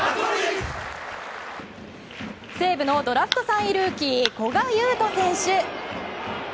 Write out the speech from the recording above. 西武のドラフト３位ルーキー古賀悠斗選手。